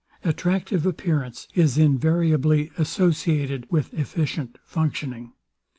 Attractive appearance is invariably associated with efficient functioning.